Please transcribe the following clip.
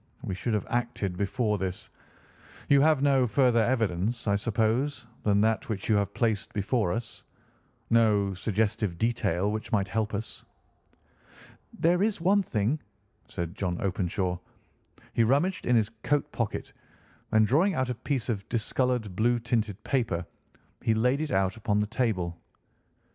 We should have acted before this. You have no further evidence, I suppose, than that which you have placed before us—no suggestive detail which might help us?" "There is one thing," said John Openshaw. He rummaged in his coat pocket, and, drawing out a piece of discoloured, blue tinted paper, he laid it out upon the table.